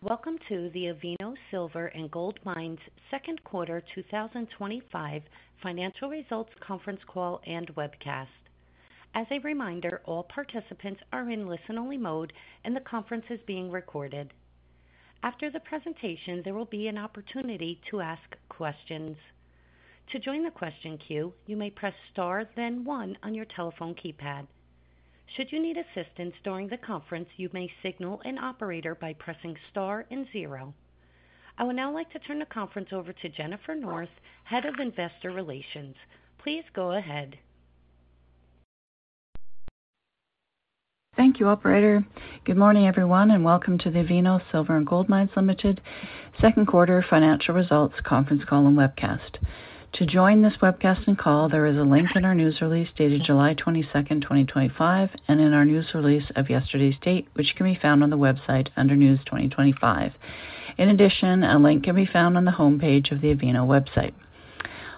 Welcome to the Avino Silver & Gold Second Quarter 2025 Financial Results Conference Call and Webcast. As a reminder, all participants are in listen-only mode, and the conference is being recorded. After the presentation, there will be an opportunity to ask questions. To join the question queue, you may press Star then one on your telephone keypad. Should you need assistance during the conference, you may signal an operator by pressing Star and zero. I would now like to turn the conference over to Jennifer North, Head of Investor Relations. Please go ahead. Thank you, Operator. Good morning, everyone, and welcome to the Avino Silver & Gold Mines, Ltd Second Quarter Financial Results Conference Call and Webcast. To join this webcast and call, there is a link in our news release dated July 22, 2025, and in our news release of yesterday's date, which can be found on the website under News 2025. In addition, a link can be found on the homepage of the Avino website.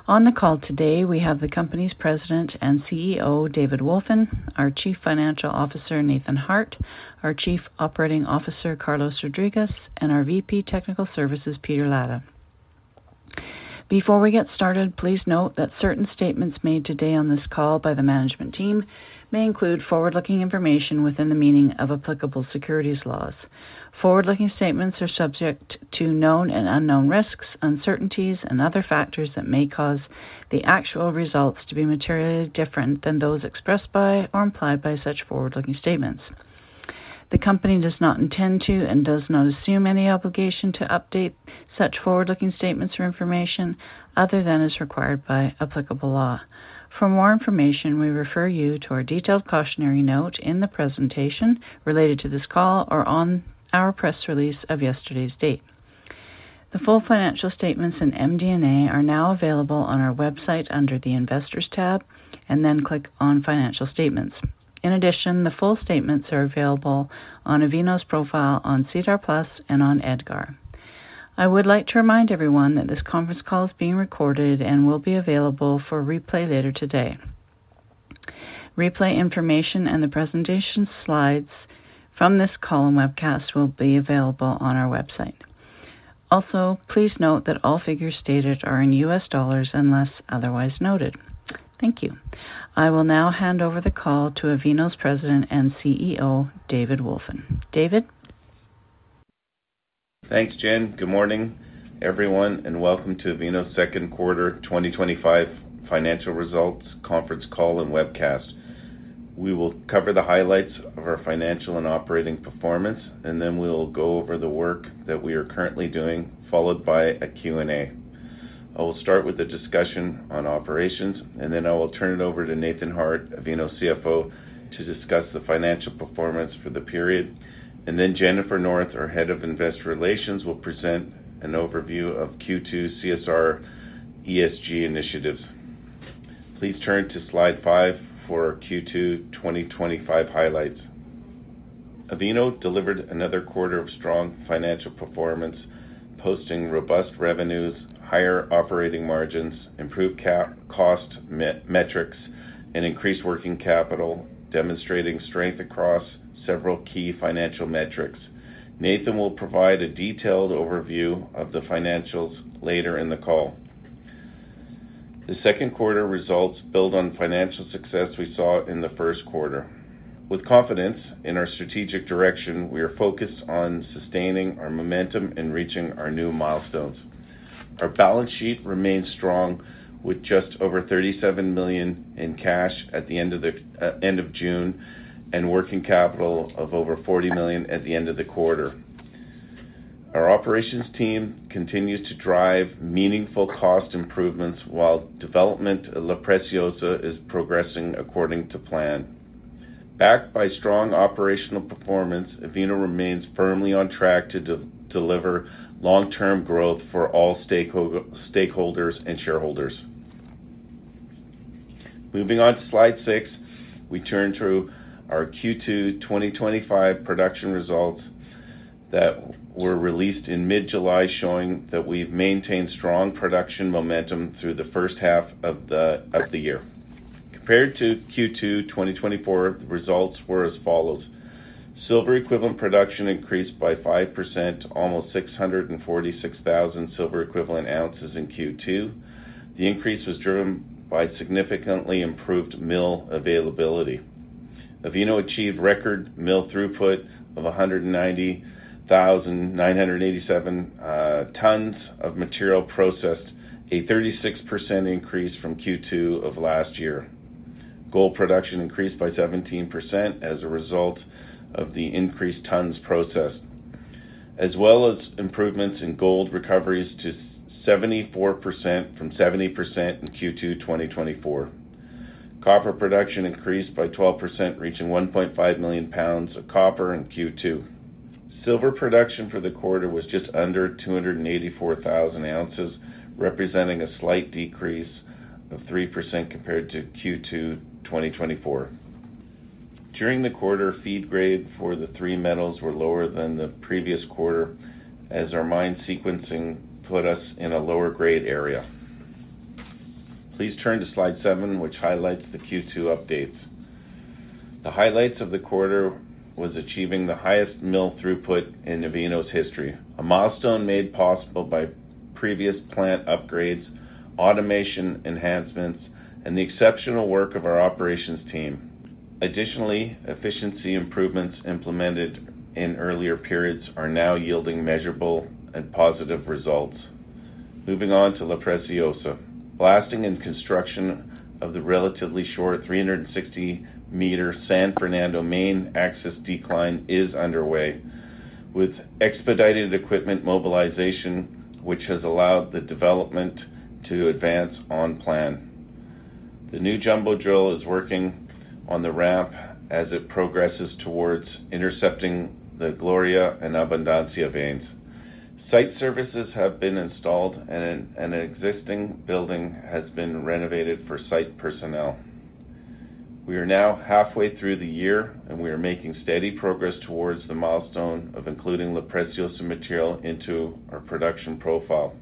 On the call today, we have the company's President and CEO, David Wolfin, our Chief Financial Officer, Nathan Harte, our Chief Operating Officer, Carlos Rodriguez, and our VP of Technical Services, Peter Latta. Before we get started, please note that certain statements made today on this call by the management team may include forward-looking information within the meaning of applicable securities laws. Forward-looking statements are subject to known and unknown risks, uncertainties, and other factors that may cause the actual results to be materially different than those expressed by or implied by such forward-looking statements. The company does not intend to and does not assume any obligation to update such forward-looking statements or information other than as required by applicable law. For more information, we refer you to our detailed cautionary note in the presentation related to this call or on our press release of yesterday's date. The full financial statements and MD&A are now available on our website under the Investors tab, and then click on Financial Statements. In addition, the full statements are available on Avino's profile on SEDAR+ and on EDGAR. I would like to remind everyone that this conference call is being recorded and will be available for replay later today. Replay information and the presentation slides from this call and webcast will be available on our website. Also, please note that all figures stated are in U.S. dollars unless otherwise noted. Thank you. I will now hand over the call to Avino's President and CEO, David Wolfin. David? Thanks, Jen. Good morning, everyone, and welcome to Avino Second Quarter 2025 Financial Results Conference Call and Webcast. We will cover the highlights of our financial and operating performance, and then we will go over the work that we are currently doing, followed by a Q&A. I will start with a discussion on operations, and then I will turn it over to Nathan Harte, Avino's CFO, to discuss the financial performance for the period. Then Jennifer North, our Head of Investor Relations, will present an overview of Q2 CSR and ESG initiatives. Please turn to slide five for Q2 2025 highlights. Avino Silver & Gold Mines Ltd. delivered another quarter of strong financial performance, posting robust revenues, higher operating margins, improved cost metrics, and increased working capital, demonstrating strength across several key financial metrics. Nathan will provide a detailed overview of the financials later in the call. The second quarter results build on financial success we saw in the first quarter. With confidence in our strategic direction, we are focused on sustaining our momentum and reaching our new milestones. Our balance sheet remains strong with just over $37 million in cash at the end of June, and working capital of over $40 million at the end of the quarter. Our operations team continues to drive meaningful cost improvements while development at La Preciosa is progressing according to plan. Backed by strong operational performance, Avino remains firmly on track to deliver long-term growth for all stakeholders and shareholders. Moving on to slide six, we turn to our Q2 2025 production results that were released in mid-July, showing that we've maintained strong production momentum through the first half of the year. Compared to Q2 2024, the results were as follows: silver equivalent production increased by 5%, almost 646,000 silver equivalent ounces in Q2. The increase was driven by significantly improved mill availability. Avino achieved record mill throughput of 190,987 tons of material processed, a 36% increase from Q2 of last year. Gold production increased by 17% as a result of the increased tons processed, as well as improvements in gold recoveries to 74% from 70% in Q2 2024. Copper production increased by 12%, reaching 1.5 million lbs of copper in Q2. Silver production for the quarter was just under 284,000 ounces, representing a slight decrease of 3% compared to Q2 2024. During the quarter, feed grade for the three metals was lower than the previous quarter, as our mine sequencing put us in a lower grade area. Please turn to slide seven, which highlights the Q2 updates. The highlights of the quarter were achieving the highest mill throughput in Avino's history, a milestone made possible by previous plant upgrades, automation enhancements, and the exceptional work of our operations team. Additionally, efficiency improvements implemented in earlier periods are now yielding measurable and positive results. Moving on to La Preciosa, blasting and construction of the relatively short 360 m San Fernando main access decline is underway, with expedited equipment mobilization, which has allowed the development to advance on plan. The new jumbo drill is working on the ramp as it progresses towards intercepting the Gloria and Abundancia veins. Site services have been installed, and an existing building has been renovated for site personnel. We are now halfway through the year, and we are making steady progress towards the milestone of including La Preciosa material into our production profile.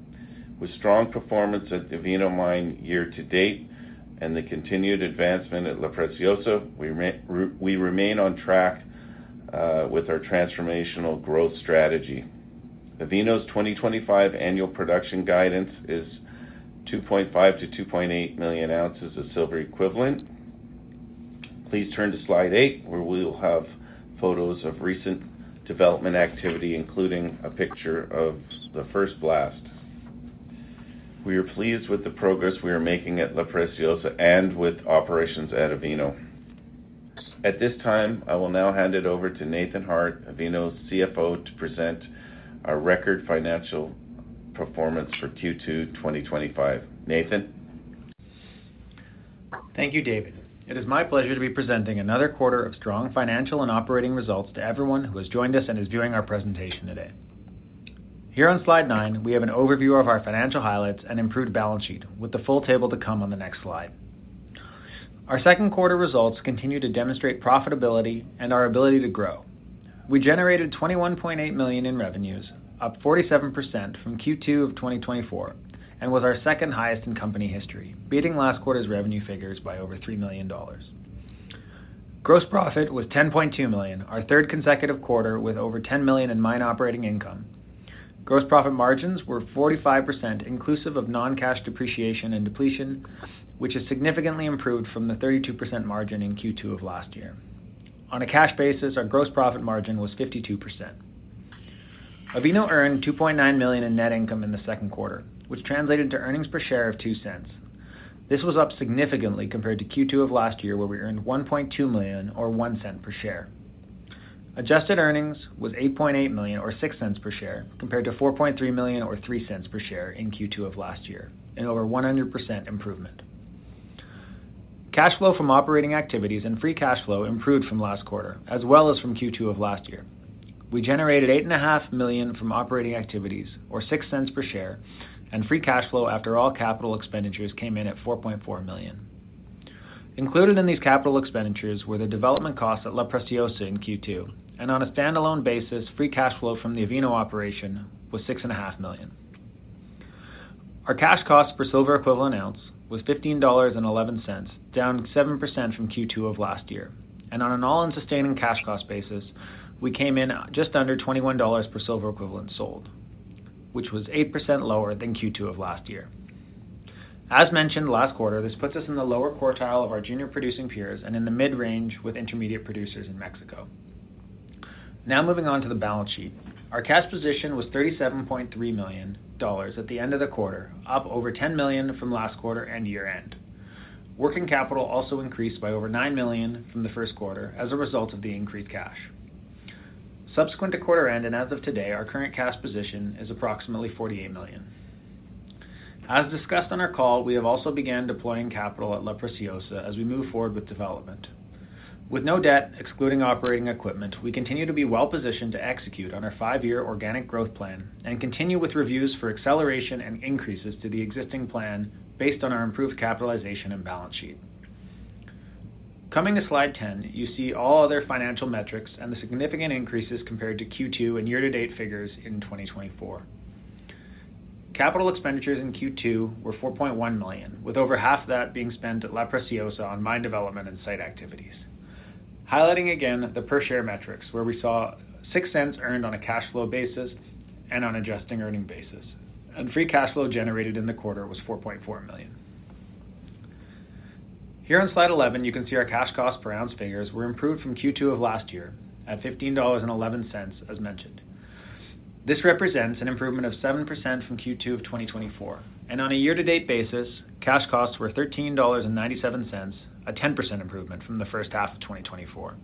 With strong performance at Avino Mine year to date and the continued advancement at La Preciosa, we remain on track with our transformational growth strategy. Avino's 2025 annual production guidance is 2.5 million-2.8 million ounces of silver equivalent. Please turn to slide eight, where we'll have photos of recent development activity, including a picture of the first blast. We are pleased with the progress we are making at La Preciosa and with operations at Avino. At this time, I will now hand it over to Nathan Harte, Avino's CFO, to present our record financial performance for Q2 2025. Nathan? Thank you, David. It is my pleasure to be presenting another quarter of strong financial and operating results to everyone who has joined us and is doing our presentation today. Here on slide nine, we have an overview of our financial highlights and improved balance sheet, with the full table to come on the next slide. Our second quarter results continue to demonstrate profitability and our ability to grow. We generated $21.8 million in revenues, up 47% from Q2 of 2024, and with our second highest in company history, beating last quarter's revenue figures by over $3 million. Gross profit was $10.2 million, our third consecutive quarter with over $10 million in mine operating income. Gross profit margins were 45%, inclusive of non-cash depreciation and depletion, which is significantly improved from the 32% margin in Q2 of last year. On a cash basis, our gross profit margin was 52%. Avino earned $2.9 million in net income in the second quarter, which translated to earnings per share of $0.02. This was up significantly compared to Q2 of last year, where we earned $1.2 million or $0.01 per share. Adjusted earnings were $8.8 million or $0.06 per share, compared to $4.3 million or $0.03 per share in Q2 of last year, an over 100% improvement. Cash flow from operating activities and free cash flow improved from last quarter, as well as from Q2 of last year. We generated $8.5 million from operating activities, or $0.06 per share, and free cash flow after all capital expenditures came in at $4.4 million. Included in these capital expenditures were the development costs at La Preciosa in Q2, and on a standalone basis, free cash flow from the Avino operation was $6.5 million. Our cash cost per silver equivalent ounce was $15.11, down 7% from Q2 of last year, and on an all-in sustaining cash cost basis, we came in just under $21 per silver equivalent ounce sold, which was 8% lower than Q2 of last year. As mentioned last quarter, this puts us in the lower quartile of our junior producing peers and in the mid-range with intermediate producers in Mexico. Now moving on to the balance sheet, our cash position was $37.3 million at the end of the quarter, up over $10 million from last quarter and year-end. Working capital also increased by over $9 million from the first quarter as a result of the increased cash. Subsequent to quarter-end and as of today, our current cash position is approximately $48 million. As discussed on our call, we have also begun deploying capital at La Preciosa as we move forward with development. With no debt, excluding operating equipment, we continue to be well-positioned to execute on our five-year organic growth plan and continue with reviews for acceleration and increases to the existing plan based on our improved capitalization and balance sheet. Coming to slide ten, you see all other financial metrics and the significant increases compared to Q2 and year-to-date figures in 2024. Capital expenditures in Q2 were $4.1 million, with over half of that being spent at La Preciosa on mine development and site activities. Highlighting again the per share metrics, where we saw $0.06 earned on a cash flow basis and on adjusting earning basis, and free cash flow generated in the quarter was $4.4 million. Here on slide 11, you can see our cash cost per silver equivalent ounce figures were improved from Q2 of last year at $15.11, as mentioned. This represents an improvement of 7% from Q2 of 2024, and on a year-to-date basis, cash costs were $13.97, a 10% improvement from the first half of 2024.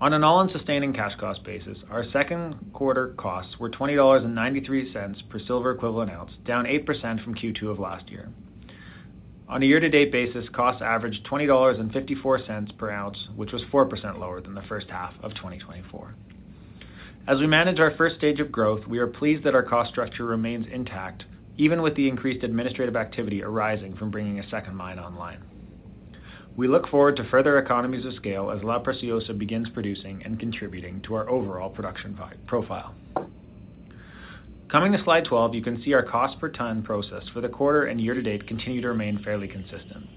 On an all-in sustaining cost basis, our second quarter costs were $20.93 per silver equivalent ounce, down 8% from Q2 of last year. On a year-to-date basis, costs averaged $20.54 per silver equivalent ounce, which was 4% lower than the first half of 2024. As we manage our first stage of growth, we are pleased that our cost structure remains intact, even with the increased administrative activity arising from bringing a second mine online. We look forward to further economies of scale as La Preciosa begins producing and contributing to our overall production profile. Coming to slide 12, you can see our cost per ton processed for the quarter and year-to-date continue to remain fairly consistent.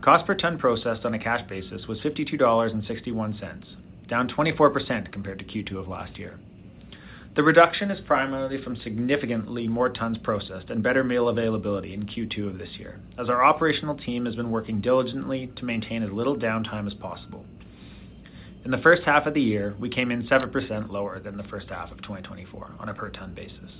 Cost per ton processed on a cash basis was $52.61, down 24% compared to Q2 of last year. The reduction is primarily from significantly more tons processed and better mill availability in Q2 of this year, as our operational team has been working diligently to maintain as little downtime as possible. In the first half of the year, we came in 7% lower than the first half of 2024 on a per ton basis.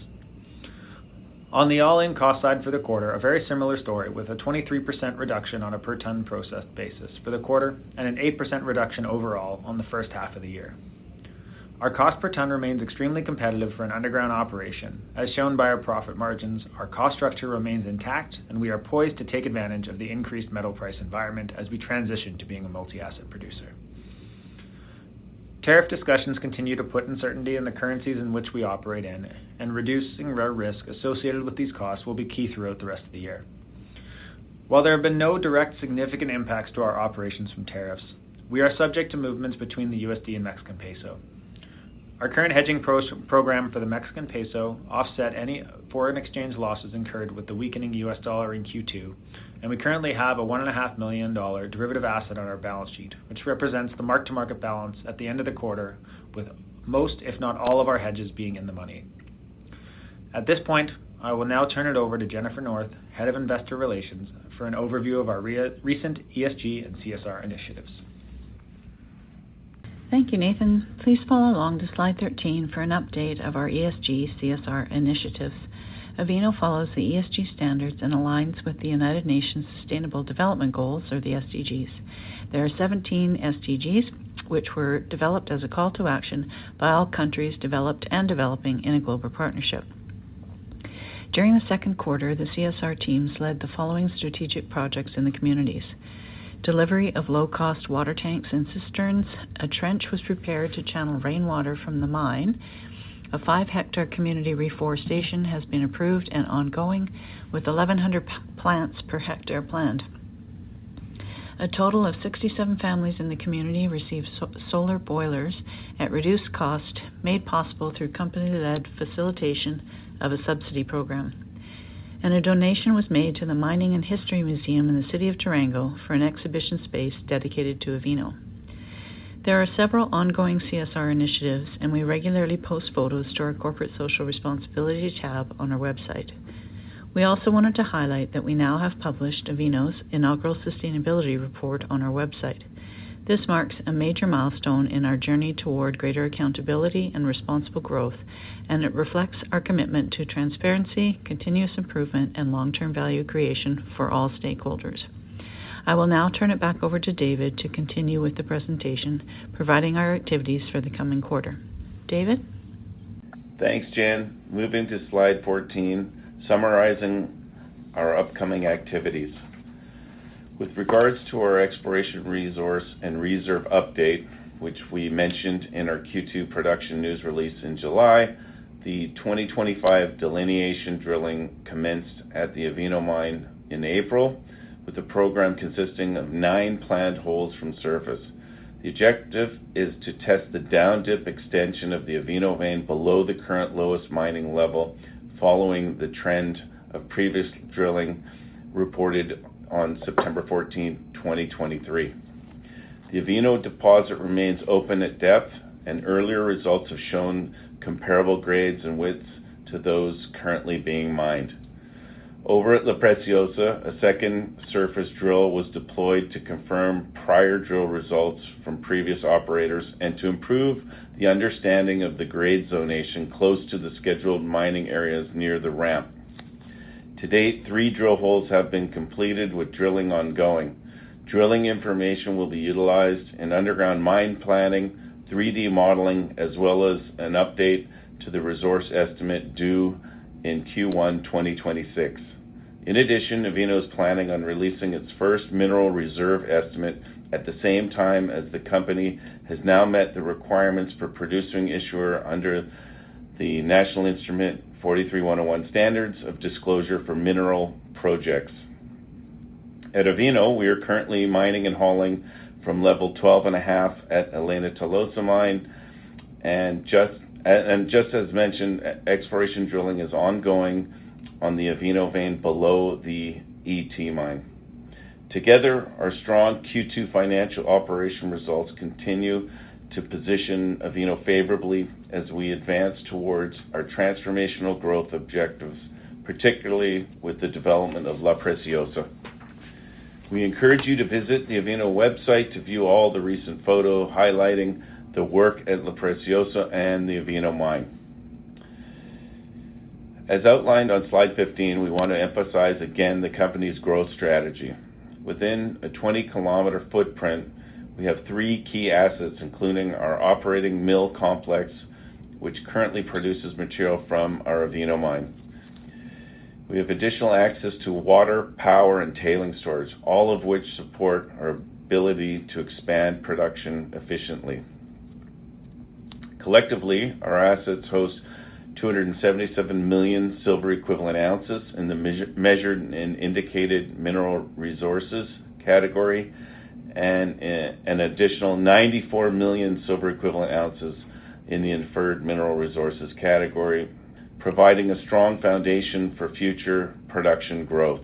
On the all-in cost side for the quarter, a very similar story with a 23% reduction on a per ton processed basis for the quarter and an 8% reduction overall on the first half of the year. Our cost per ton remains extremely competitive for an underground operation, as shown by our profit margins. Our cost structure remains intact, and we are poised to take advantage of the increased metal price environment as we transition to being a multi-asset producer. Tariff discussions continue to put uncertainty in the currencies in which we operate, and reducing risk associated with these costs will be key throughout the rest of the year. While there have been no direct significant impacts to our operations from tariffs, we are subject to movements between the USD and Mexican Peso. Our current hedging program for the Mexican Peso offset any foreign exchange losses incurred with the weakening U.S. dollar in Q2, and we currently have a $1.5 million derivative asset on our balance sheet, which represents the mark-to-market balance at the end of the quarter, with most, if not all, of our hedges being in the money. At this point, I will now turn it over to Jennifer North, Head of Investor Relations, for an overview of our recent ESG and CSR initiatives. Thank you, Nathan. Please follow along to slide 13 for an update of our ESG CSR initiatives. Avino follows the ESG standards and aligns with the UN Sustainable Development Goals, or the SDGs. There are 17 SDGs, which were developed as a call to action by all countries, developed and developing, in a global partnership. During the second quarter, the CSR teams led the following strategic projects in the communities: delivery of low-cost water tanks and cisterns, a trench was prepared to channel rainwater from the mine, a 5 hectare community reforestation has been approved and ongoing, with 1,100 plants per hectare planned, a total of 67 families in the community received solar boilers at reduced cost made possible through company-led facilitation of a subsidy program, and a donation was made to the Mining and History Museum in the City of Durango for an exhibition space dedicated to Avino. There are several ongoing CSR initiatives, and we regularly post photos to our Corporate Social Responsibility tab on our website. We also wanted to highlight that we now have published Avino's inaugural sustainability report on our website. This marks a major milestone in our journey toward greater accountability and responsible growth, and it reflects our commitment to transparency, continuous improvement, and long-term value creation for all stakeholders. I will now turn it back over to David to continue with the presentation, providing our activities for the coming quarter. David? Thanks, Jen. Moving to slide 14, summarizing our upcoming activities. With regards to our exploration resource and reserve update, which we mentioned in our Q2 production news release in July, the 2025 delineation drilling commenced at the Avino Mine in April, with the program consisting of nine planned holes from surface. The objective is to test the down dip extension of the Avino vein below the current lowest mining level, following the trend of previous drilling reported on September 14, 2023. The Avino deposit remains open at depth, and earlier results have shown comparable grades and widths to those currently being mined. Over at La Preciosa, a second surface drill was deployed to confirm prior drill results from previous operators and to improve the understanding of the grade zonation close to the scheduled mining areas near the ramp. To date, three drill holes have been completed, with drilling ongoing. Drilling information will be utilized in underground mine planning, 3D modeling, as well as an update to the resource estimate due in Q1 2026. In addition, Avino is planning on releasing its first mineral reserve estimate at the same time as the company has now met the requirements for producing issuer under the NI 43-101 standards of disclosure for mineral projects. At Avino, we are currently mining and hauling from level 12.5 at Elena Tolosa Mine, and just as mentioned, exploration drilling is ongoing on the Avino vein below the ET mine. Together, our strong Q2 financial operation results continue to position Avino favorably as we advance towards our transformational growth objectives, particularly with the development of La Preciosa. We encourage you to visit the Avino website to view all the recent photos highlighting the work at La Preciosa and the Avino Mine. As outlined on slide 15, we want to emphasize again the company's growth strategy. Within a 20 km footprint, we have three key assets, including our operating mill complex, which currently produces material from our Avino Mine. We have additional access to water, power, and tailing storage, all of which support our ability to expand production efficiently. Collectively, our assets host 277 million silver equivalent ounces in the measured and indicated mineral resources category, and an additional 94 million silver equivalent ounces in the inferred mineral resources category, providing a strong foundation for future production growth.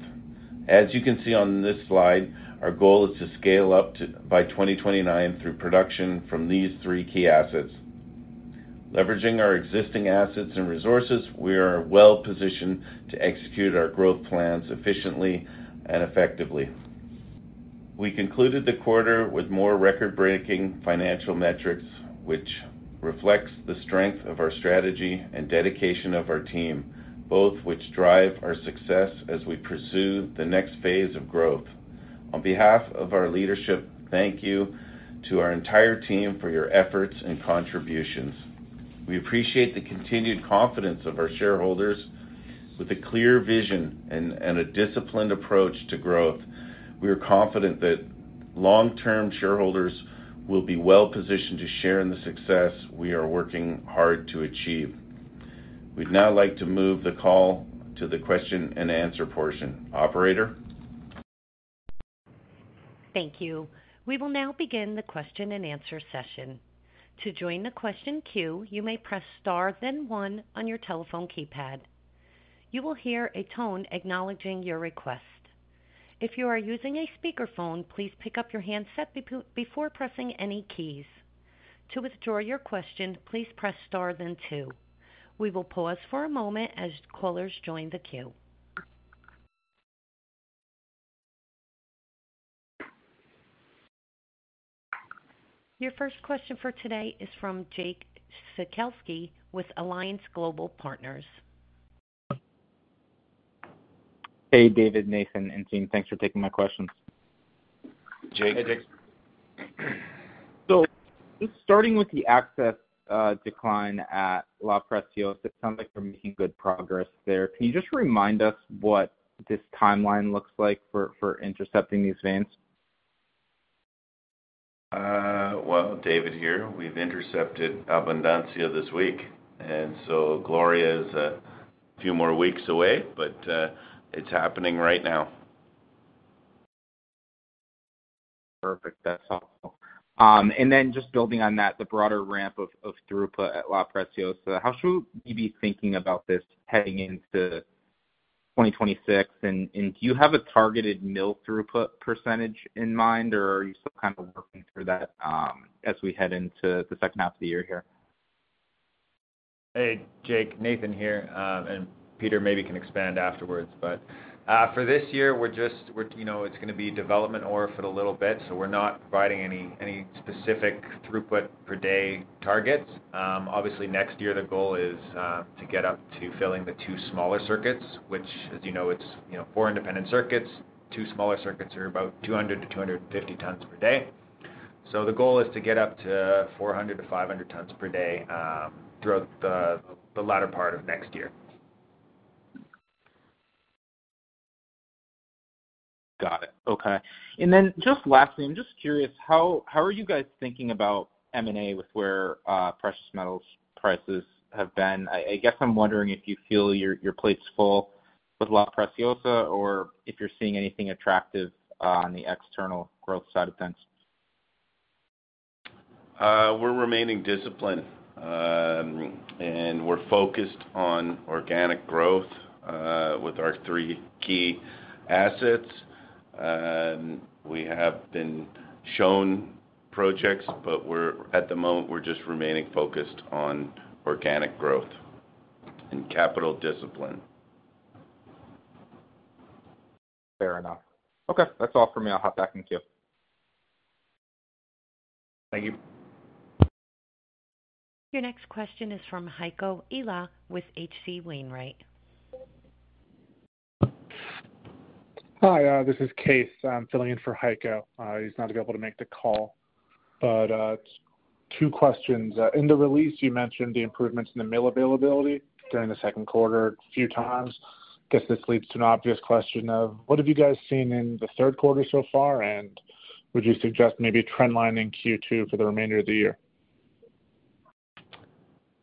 As you can see on this slide, our goal is to scale up by 2029 through production from these three key assets. Leveraging our existing assets and resources, we are well-positioned to execute our growth plans efficiently and effectively. We concluded the quarter with more record-breaking financial metrics, which reflect the strength of our strategy and dedication of our team, both of which drive our success as we pursue the next phase of growth. On behalf of our leadership, thank you to our entire team for your efforts and contributions. We appreciate the continued confidence of our shareholders. With a clear vision and a disciplined approach to growth, we are confident that long-term shareholders will be well-positioned to share in the success we are working hard to achieve. We'd now like to move the call to the question-and-answer portion. Operator? Thank you. We will now begin the question-and-answer session. To join the question queue, you may press Star, then one on your telephone keypad. You will hear a tone acknowledging your request. If you are using a speakerphone, please pick up your handset before pressing any keys. To withdraw your question, please press star, then two. We will pause for a moment as callers join the queue. Your first question for today is from Jake Sekelsky with Alliance Global Partners. Hey, David, Nathan, and team, thanks for taking my questions. Hey, Jake. Just starting with the access decline at La Preciosa, it sounds like we're making good progress there. Can you just remind us what this timeline looks like for intercepting these veins? David here, we've intercepted Abundancia this week, and Gloria is a few more weeks away, but it's happening right now. Perfect. That's helpful. Just building on that, the broader ramp of throughput at La Preciosa, how should we be thinking about this heading into 2026? Do you have a targeted mill throughput percentage in mind, or are you still kind of working through that as we head into the second half of the year here? Hey, Jake, Nathan here, and Peter maybe can expand afterwards. For this year, we're just, you know, it's going to be development orphaned a little bit, so we're not providing any specific throughput per day targets. Obviously, next year, the goal is to get up to filling the two smaller circuits, which, as you know, it's, you know, four independent circuits. Two smaller circuits are about 200-250 tons per day. The goal is to get up to 400-500 tons per day throughout the latter part of next year. Got it. Okay. Lastly, I'm just curious, how are you guys thinking about M&A with where precious metals prices have been? I guess I'm wondering if you feel your plate's full with La Preciosa or if you're seeing anything attractive on the external growth side of things. We're remaining disciplined, and we're focused on organic growth with our three key assets. We have been shown projects, but at the moment, we're just remaining focused on organic growth and capital discipline. Fair enough. Okay, that's all for me. I'll hop back. Thank you. Thank you. Your next question is from Heiko Ihle with H.C. Wainwright. Hi, this is Case. I'm filling in for Heiko. He's not going to be able to make the call, but it's two questions. In the release, you mentioned the improvements in the mill availability during the second quarter a few times. I guess this leads to an obvious question of what have you guys seen in the third quarter so far, and would you suggest maybe a trend line in Q2 for the remainder of the year?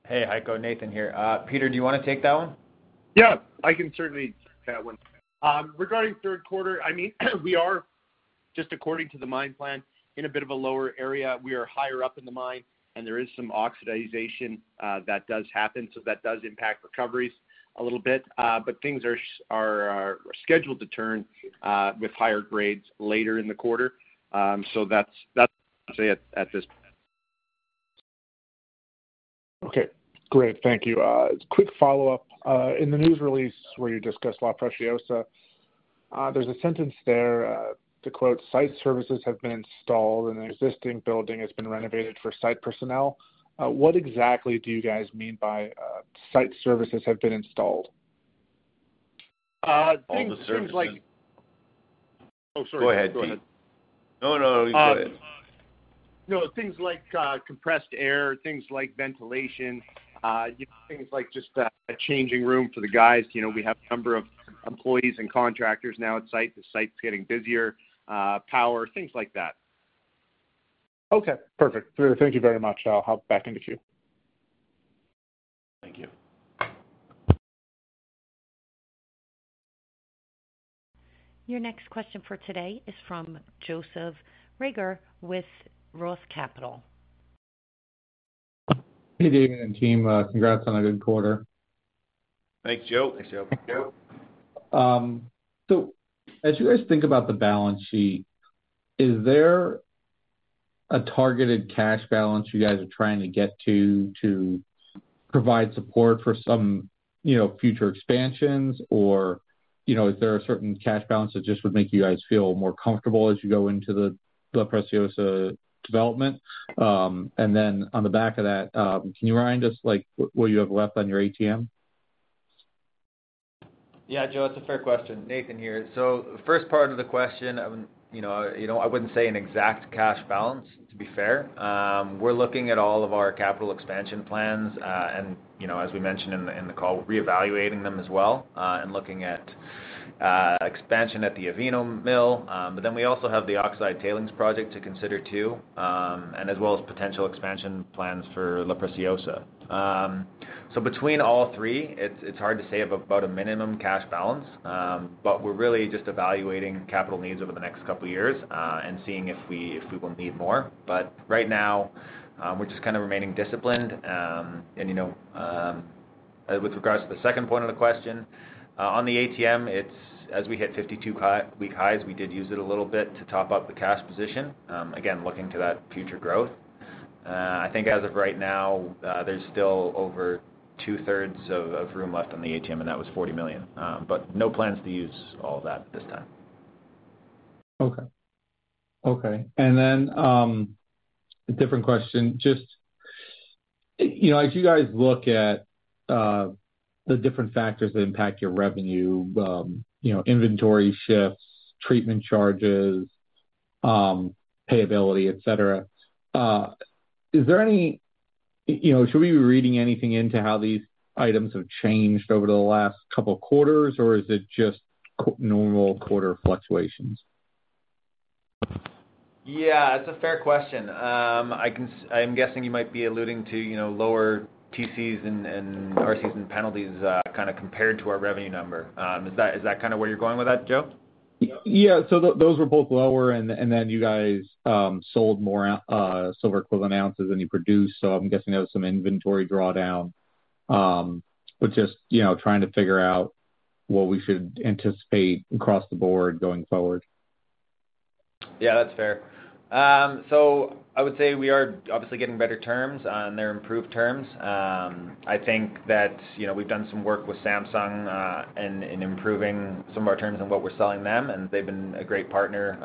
Hey, Heiko, Nathan here. Peter, do you want to take that one? Yeah, I can certainly take that one. Regarding the third quarter, I mean, we are just according to the mine plan in a bit of a lower area. We are higher up in the mine, and there is some oxidization that does happen, so that does impact recoveries a little bit. Things are scheduled to turn with higher grades later in the quarter. That's what I'd say at this point. Okay. Great. Thank you. Quick follow-up. In the news release where you discussed La Preciosa, there's a sentence there to quote, "Site services have been installed, and the existing building has been renovated for site personnel." What exactly do you guys mean by site services have been installed? Things like. Sorry. Go ahead. No, things like compressed air, things like ventilation, things like just a changing room for the guys. You know, we have a number of employees and contractors now at site. The site's getting busier, power, things like that. Okay. Perfect. Thank you very much. I'll hop back into queue. Thank you. Your next question for today is from Joseph Reagor, with ROTH Capital Partners. Hey, David and team, congrats on a good quarter. Thanks, Joe. Thanks, Joe. As you guys think about the balance sheet, is there a targeted cash balance you guys are trying to get to to provide support for some, you know, future expansions, or is there a certain cash balance that just would make you guys feel more comfortable as you go into the La Preciosa development? On the back of that, can you remind us like what you have left on your ATM? Yeah, Joe, that's a fair question. Nathan here. The first part of the question, I wouldn't say an exact cash balance, to be fair. We're looking at all of our capital expansion plans, and as we mentioned in the call, reevaluating them as well, and looking at expansion at the Avino mill. We also have the Oxide Tailings Project to consider too, as well as potential expansion plans for La Preciosa. Between all three, it's hard to say about a minimum cash balance, but we're really just evaluating capital needs over the next couple of years and seeing if we will need more. Right now, we're just kind of remaining disciplined. With regards to the second point of the question, on the ATM, as we hit 52-week highs, we did use it a little bit to top up the cash position, again, looking to that future growth. I think as of right now, there's still over 2/3 of room left on the ATM, and that was $40 million. No plans to use all of that this time. Okay. As you guys look at the different factors that impact your revenue, you know, inventory shifts, treatment charges, payability, etc., is there any, you know, should we be reading anything into how these items have changed over the last couple of quarters, or is it just normal quarter fluctuations? Yeah, it's a fair question. I'm guessing you might be alluding to, you know, lower TCs and RCs and penalties compared to our revenue number. Is that kind of where you're going with that, Joe? Yeah. Those were both lower, and then you guys sold more silver equivalent ounces than you produced. I'm guessing there was some inventory drawdown. Just trying to figure out what we should anticipate across the board going forward. Yeah, that's fair. I would say we are obviously getting better terms, and they're improved terms. I think that we've done some work with Samsung in improving some of our terms and what we're selling them, and they've been a great partner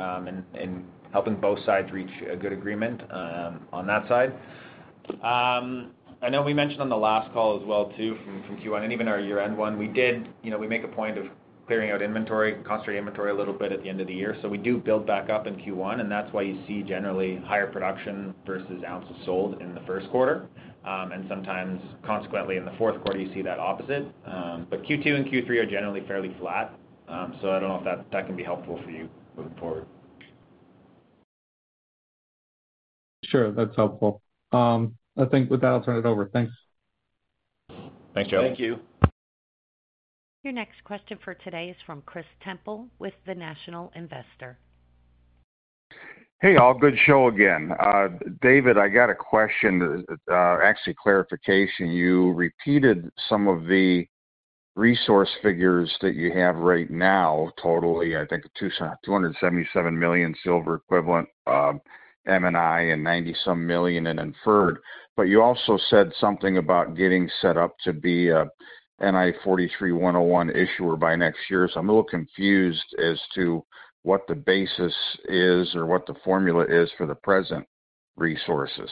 in helping both sides reach a good agreement on that side. I know we mentioned on the last call as well, from Q1 and even our year-end one, we make a point of clearing out inventory, concentrate inventory a little bit at the end of the year. We do build back up in Q1, and that's why you see generally higher production versus ounces sold in the first quarter. Sometimes, consequently, in the fourth quarter, you see that opposite. Q2 and Q3 are generally fairly flat. I don't know if that can be helpful for you moving forward. Sure. That's helpful. I think with that, I'll turn it over. Thanks. Thanks, Joe. Thank you. Your next question for today is from Chris Temple with The National Investor. Hey, all. Good show again. David, I got a question, actually clarification. You repeated some of the resource figures that you have right now, totally, I think, 277 million silver equivalent M&I and 90-some million in inferred. You also said something about getting set up to be an NI 43-101 issuer by next year. I'm a little confused as to what the basis is or what the formula is for the present resources.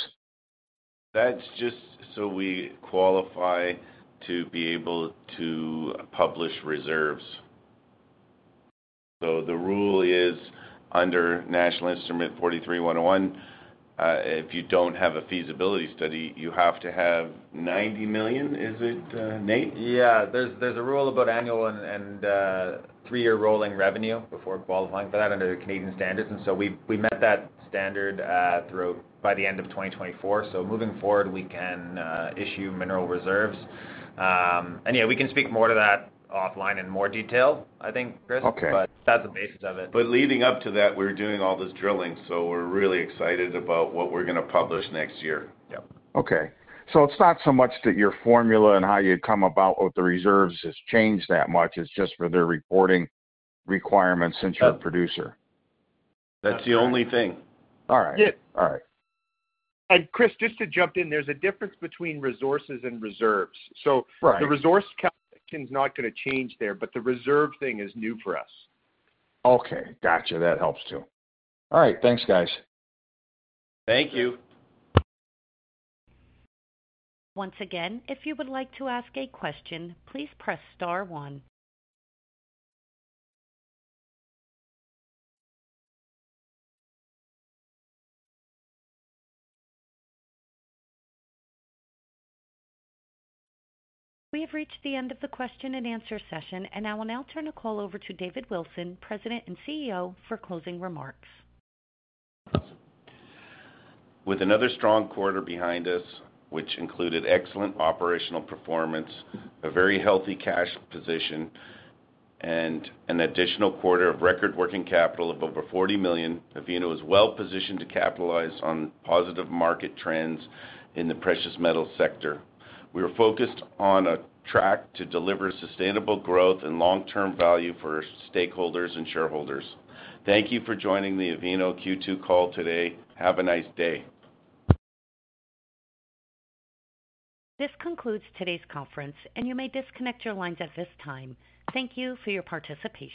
That's just so we qualify to be able to publish reserves. The rule is under National Instrument 43-101, if you don't have a feasibility study, you have to have 90 million, is it, Nate? There's a rule about annual and three-year rolling revenue before qualifying for that under the Canadian standards. We met that standard by the end of 2024. Moving forward, we can issue mineral reserves. We can speak more to that offline in more detail, I think, Chris. That's the basis of it. Leading up to that, we're doing all this drilling. We're really excited about what we're going to publish next year. Okay. It's not so much that your formula and how you come about with the reserves has changed that much. It's just for their reporting requirements since you're a producing issuer. That's the only thing. All right. Yep. All right. Chris, just to jump in, there's a difference between resources and reserves. The resource calculation is not going to change there, but the reserve thing is new for us. Gotcha. That helps too. All right. Thanks, guys. Thank you. Once again, if you would like to ask a question, please press Star one. We have reached the end of the question-and-answer session, and I will now turn the call over to David Wolfin, President and CEO, for closing remarks. With another strong quarter behind us, which included excellent operational performance, a very healthy cash position, and an additional quarter of record working capital of over $40 million, Avino is well-positioned to capitalize on positive market trends in the precious metals sector. We are focused on a track to deliver sustainable growth and long-term value for stakeholders and shareholders. Thank you for joining the Avino Q2 call today. Have a nice day. This concludes today's conference, and you may disconnect your lines at this time. Thank you for your participation.